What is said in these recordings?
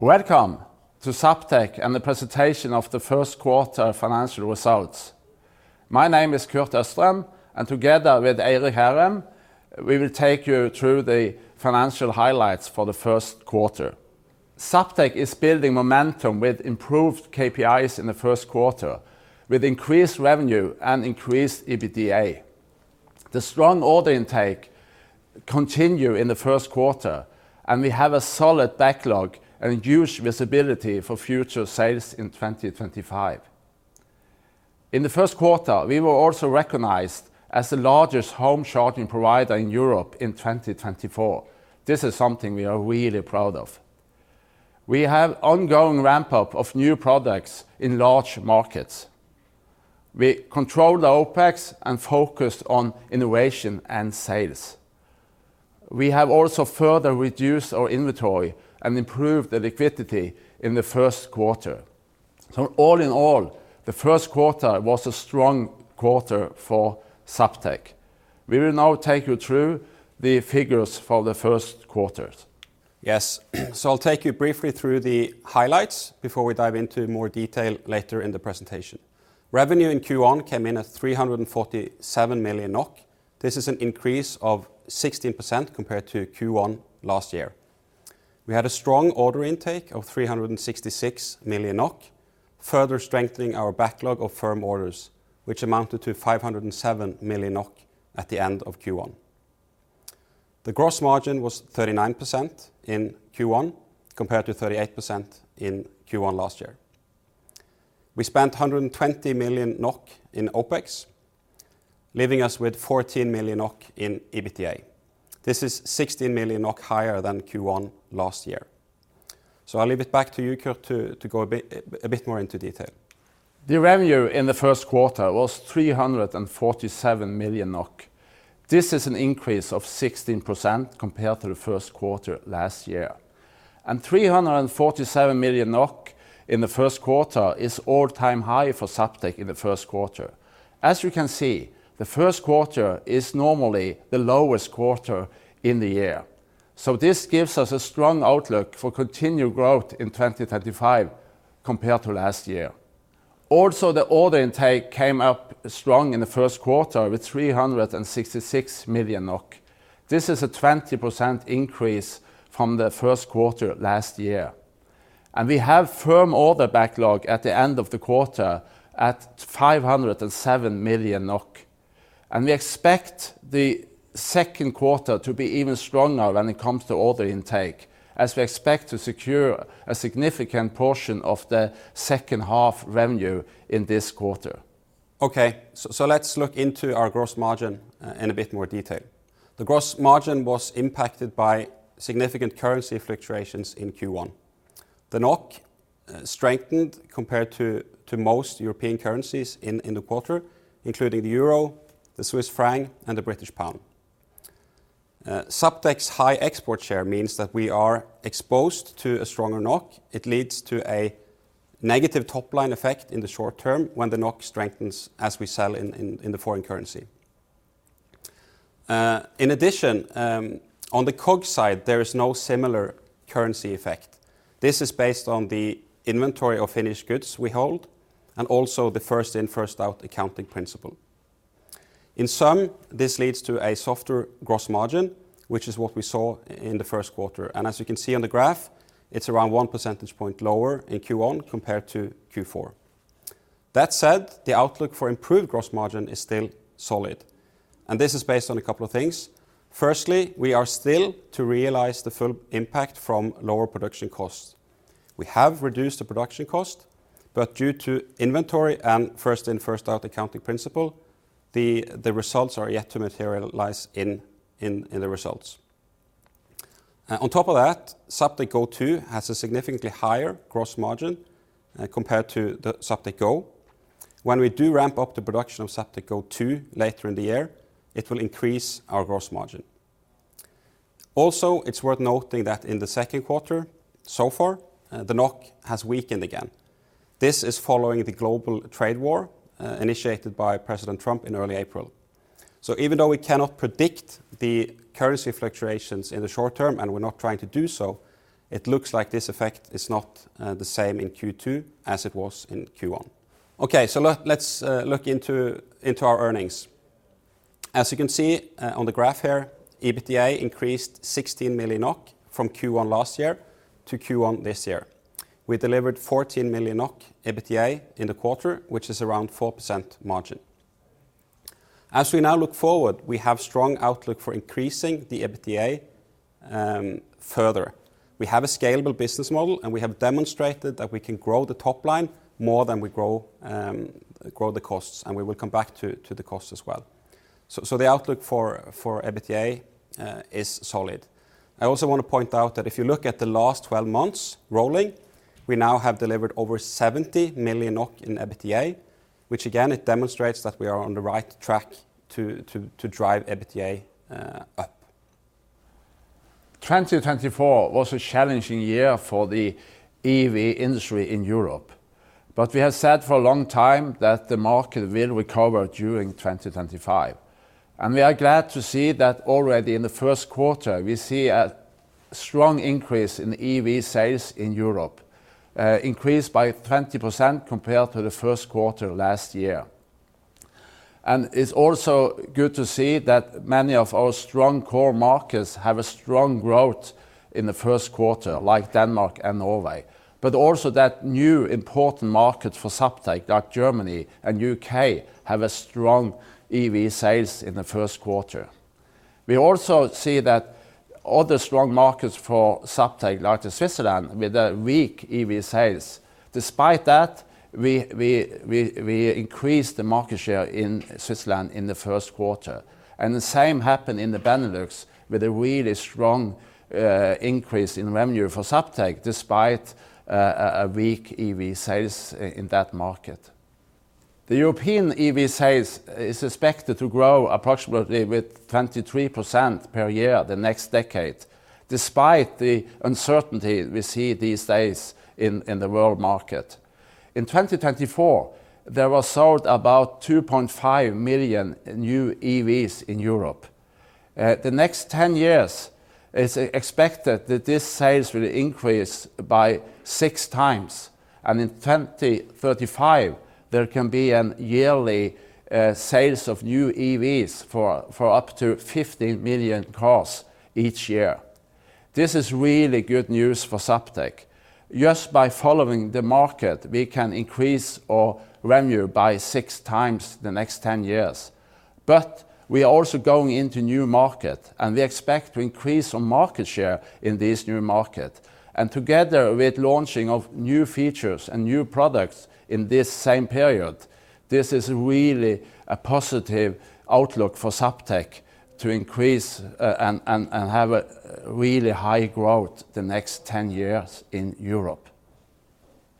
Welcome to Zaptec and the presentation of the first quarter financial results. My name is Kurt Østrem, and together with Eirik Hærem, we will take you through the financial highlights for the first quarter. Zaptec is building momentum with improved KPIs in the first quarter, with increased revenue and increased EBITDA. The strong order intake continued in the first quarter, and we have a solid backlog and huge visibility for future sales in 2025. In the first quarter, we were also recognized as the largest home charging provider in Europe in 2024. This is something we are really proud of. We have an ongoing ramp-up of new products in large markets. We controlled the OpEx and focused on innovation and sales. We have also further reduced our inventory and improved the liquidity in the first quarter. All in all, the first quarter was a strong quarter for Zaptec. We will now take you through the figures for the first quarter. Yes, so I'll take you briefly through the highlights before we dive into more detail later in the presentation. Revenue in Q1 came in at 347 million NOK. This is an increase of 16% compared to Q1 last year. We had a strong order intake of 366 million NOK, further strengthening our backlog of firm orders, which amounted to 507 million NOK at the end of Q1. The gross margin was 39% in Q1 compared to 38% in Q1 last year. We spent 120 million NOK in OpEx, leaving us with 14 million NOK in EBITDA. This is 16 million NOK higher than Q1 last year. So I'll leave it back to you, Kurt, to go a bit more into detail. The revenue in the first quarter was 347 million NOK. This is an increase of 16% compared to the first quarter last year. 347 million NOK in the first quarter is an all-time high for Zaptec in the first quarter. As you can see, the first quarter is normally the lowest quarter in the year. This gives us a strong outlook for continued growth in 2025 compared to last year. Also, the order intake came up strong in the first quarter with 366 million NOK. This is a 20% increase from the first quarter last year. We have a firm order backlog at the end of the quarter at 507 million NOK. We expect the second quarter to be even stronger when it comes to order intake, as we expect to secure a significant portion of the second half revenue in this quarter. Okay, so let's look into our gross margin in a bit more detail. The gross margin was impacted by significant currency fluctuations in Q1. The NOK strengthened compared to most European currencies in the quarter, including the euro, the Swiss franc, and the British pound. Zaptec's high export share means that we are exposed to a stronger NOK. It leads to a negative top-line effect in the short term when the NOK strengthens as we sell in the foreign currency. In addition, on the COGS side, there is no similar currency effect. This is based on the inventory of finished goods we hold and also the first in, first out accounting principle. In sum, this leads to a softer gross margin, which is what we saw in the first quarter. As you can see on the graph, it's around one percentage point lower in Q1 compared to Q4. That said, the outlook for improved gross margin is still solid. This is based on a couple of things. Firstly, we are still to realize the full impact from lower production costs. We have reduced the production cost, but due to inventory and first in, first out accounting principle, the results are yet to materialize in the results. On top of that, Zaptec Go 2 has a significantly higher gross margin compared to the Zaptec Go. When we do ramp up the production of Zaptec Go 2 later in the year, it will increase our gross margin. Also, it's worth noting that in the second quarter so far, the NOK has weakened again. This is following the global trade war initiated by President Trump in early April. Even though we cannot predict the currency fluctuations in the short term and we're not trying to do so, it looks like this effect is not the same in Q2 as it was in Q1. Okay, let's look into our earnings. As you can see on the graph here, EBITDA increased 16 million NOK from Q1 last year to Q1 this year. We delivered 14 million NOK EBITDA in the quarter, which is around 4% margin. As we now look forward, we have a strong outlook for increasing the EBITDA further. We have a scalable business model, and we have demonstrated that we can grow the top line more than we grow the costs, and we will come back to the costs as well. The outlook for EBITDA is solid. I also want to point out that if you look at the last 12 months rolling, we now have delivered over 70 million NOK in EBITDA, which again, it demonstrates that we are on the right track to drive EBITDA up. 2024 was a challenging year for the EV industry in Europe, but we have said for a long time that the market will recover during 2025. We are glad to see that already in the first quarter, we see a strong increase in EV sales in Europe, increased by 20% compared to the first quarter last year. It is also good to see that many of our strong core markets have a strong growth in the first quarter, like Denmark and Norway. Also, new important markets for Zaptec, like Germany and the U.K., have strong EV sales in the first quarter. We also see that other strong markets for Zaptec, like Switzerland, with weak EV sales. Despite that, we increased the market share in Switzerland in the first quarter. The same happened in the Benelux with a really strong increase in revenue for Zaptec, despite weak EV sales in that market. European EV sales is expected to grow approximately 23% per year the next decade, despite the uncertainty we see these days in the world market. In 2024, there were sold about 2.5 million new EVs in Europe. The next 10 years, it's expected that these sales will increase by six times. In 2035, there can be a yearly sales of new EVs for up to 15 million cars each year. This is really good news for Zaptec. Just by following the market, we can increase our revenue by six times in the next 10 years. We are also going into a new market, and we expect to increase our market share in this new market. Together with the launching of new features and new products in this same period, this is really a positive outlook for Zaptec to increase and have a really high growth in the next 10 years in Europe.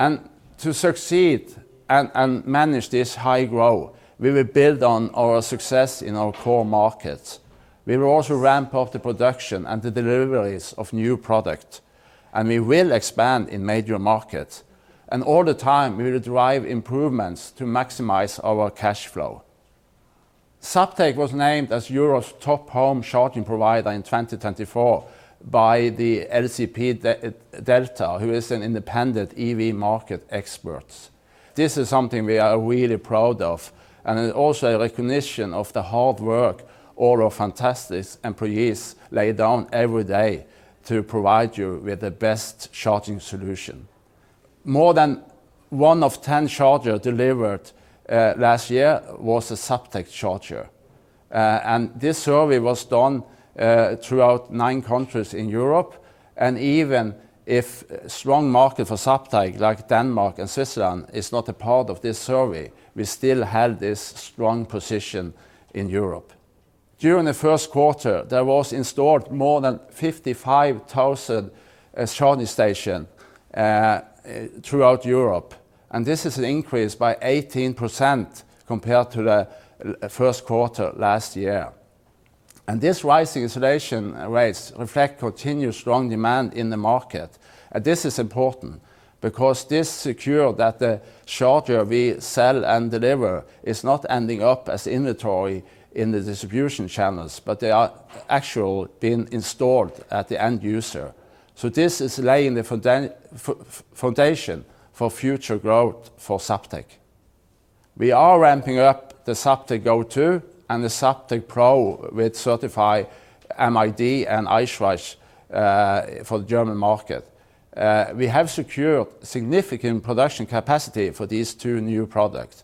To succeed and manage this high growth, we will build on our success in our core markets. We will also ramp up the production and the deliveries of new products. We will expand in major markets. All the time, we will drive improvements to maximize our cash flow. Zaptec was named as Europe's top home charging provider in 2024 by LCP Delta, who is an independent EV market expert. This is something we are really proud of, and it's also a recognition of the hard work all our fantastic employees lay down every day to provide you with the best charging solution. More than one of 10 chargers delivered last year was a Zaptec charger. This survey was done throughout nine countries in Europe. Even if a strong market for Zaptec, like Denmark and Switzerland, is not a part of this survey, we still have this strong position in Europe. During the first quarter, there were installed more than 55,000 charging stations throughout Europe. This is an increase by 18% compared to the first quarter last year. These rising installation rates reflect continued strong demand in the market. This is important because this secures that the charger we sell and deliver is not ending up as inventory in the distribution channels, but they are actually being installed at the end user. This is laying the foundation for future growth for Zaptec. We are ramping up the Zaptec Go 2 and the Zaptec Pro with certified MID and Eichrecht for the German market. We have secured significant production capacity for these two new products.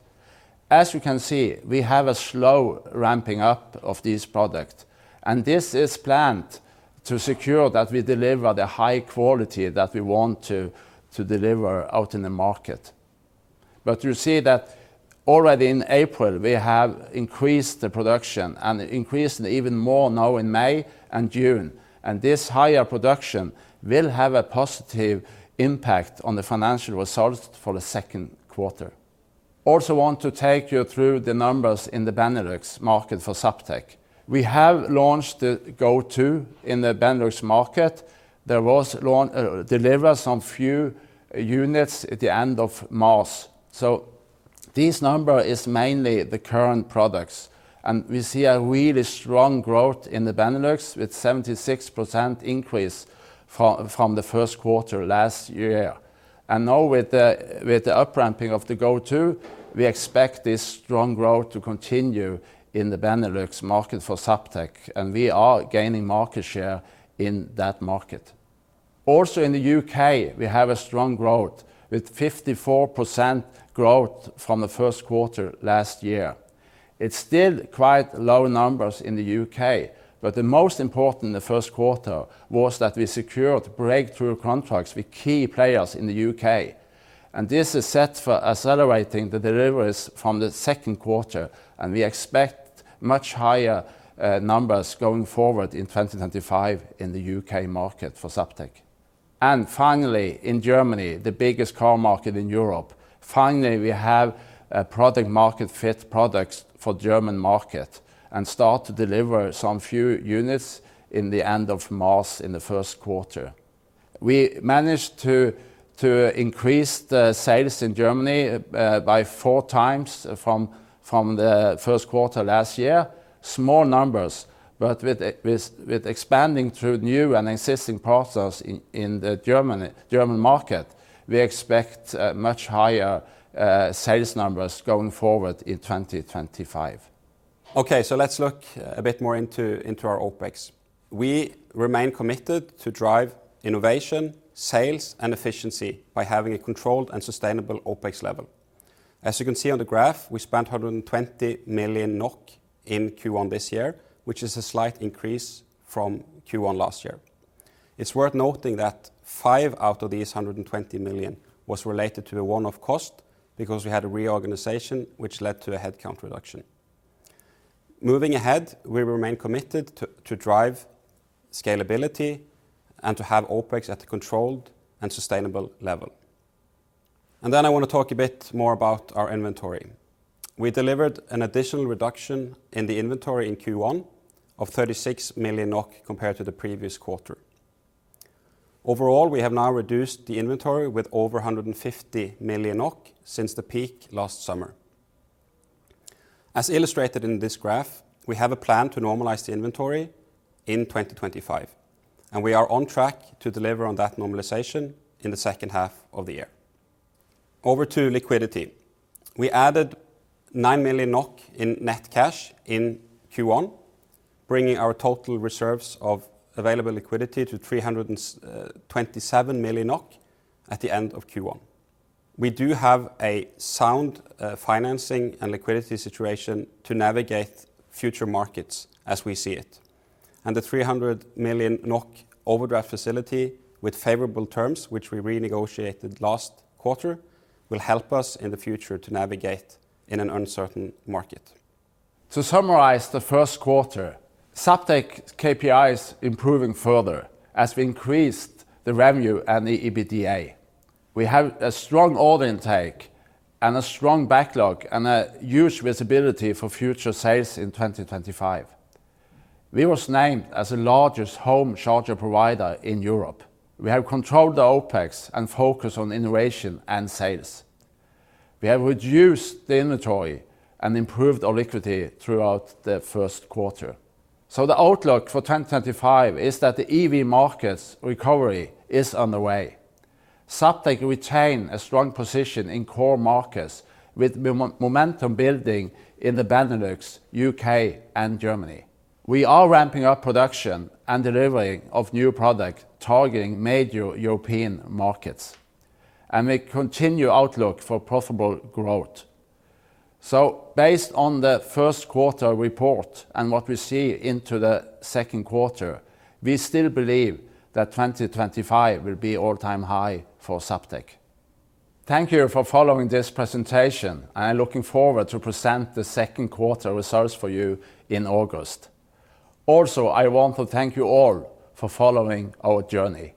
As you can see, we have a slow ramping up of these products. This is planned to secure that we deliver the high quality that we want to deliver out in the market. You see that already in April, we have increased the production and increased even more now in May and June. This higher production will have a positive impact on the financial results for the second quarter. I also want to take you through the numbers in the Benelux market for Zaptec. We have launched the Go 2 in the Benelux market. There was delivered some few units at the end of March. This number is mainly the current products. We see a really strong growth in the Benelux with a 76% increase from the first quarter last year. Now with the upramping of the Go 2, we expect this strong growth to continue in the Benelux market for Zaptec. We are gaining market share in that market. Also in the U.K., we have a strong growth with 54% growth from the first quarter last year. It's still quite low numbers in the U.K., but the most important in the first quarter was that we secured breakthrough contracts with key players in the U.K. This is set for accelerating the deliveries from the second quarter. We expect much higher numbers going forward in 2025 in the U.K. market for Zaptec. Finally, in Germany, the biggest car market in Europe, finally we have product-market fit products for the German market and start to deliver some few units in the end of March in the first quarter. We managed to increase the sales in Germany by four times from the first quarter last year. Small numbers, but with expanding through new and existing partners in the German market, we expect much higher sales numbers going forward in 2025. Okay, let's look a bit more into our OpEx. We remain committed to drive innovation, sales, and efficiency by having a controlled and sustainable OpEx level. As you can see on the graph, we spent 120 million NOK in Q1 this year, which is a slight increase from Q1 last year. It's worth noting that five out of these 120 million was related to the one-off cost because we had a reorganization, which led to a headcount reduction. Moving ahead, we remain committed to drive scalability and to have OpEx at a controlled and sustainable level. I want to talk a bit more about our inventory. We delivered an additional reduction in the inventory in Q1 of 36 million NOK compared to the previous quarter. Overall, we have now reduced the inventory with over 150 million NOK since the peak last summer. As illustrated in this graph, we have a plan to normalize the inventory in 2025. We are on track to deliver on that normalization in the second half of the year. Over to liquidity. We added 9 million NOK in net cash in Q1, bringing our total reserves of available liquidity to 327 million NOK at the end of Q1. We do have a sound financing and liquidity situation to navigate future markets as we see it. The 300 million NOK overdraft facility with favorable terms, which we renegotiated last quarter, will help us in the future to navigate in an uncertain market. To summarize the first quarter, Zaptec KPIs are improving further as we increased the revenue and the EBITDA. We have a strong order intake and a strong backlog and a huge visibility for future sales in 2025. We were named as the largest home charger provider in Europe. We have controlled the OpEx and focused on innovation and sales. We have reduced the inventory and improved our liquidity throughout the first quarter. The outlook for 2025 is that the EV market's recovery is underway. Zaptec retained a strong position in core markets with momentum building in the Benelux, U.K., and Germany. We are ramping up production and delivering new products targeting major European markets. We continue the outlook for profitable growth. Based on the first quarter report and what we see into the second quarter, we still believe that 2025 will be an all-time high for Zaptec. Thank you for following this presentation, and I'm looking forward to presenting the second quarter results for you in August. Also, I want to thank you all for following our journey.